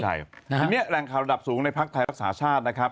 ทีนี้แรงข่าวระดับสูงในภักดิ์ไทยรักษาชาตินะครับ